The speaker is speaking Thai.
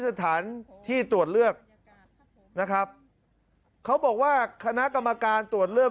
สถานที่ตรวจเลือกนะครับเขาบอกว่าคณะกรรมการตรวจเลือก